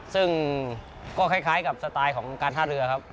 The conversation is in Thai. ซึ่งก็คล้ายกับสไตล์ของการท่าเรือครับ